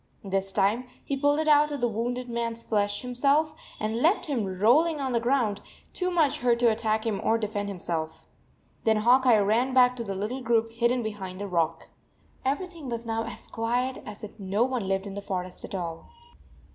This time he pulled it out of the wounded man s flesh himself, and left him rolling on the ground, too much hurt to attack him or defend himself. Then Hawk Eye ran back to the little group hidden behind the rock. Everything was now as quiet as if no one lived in the forest at all.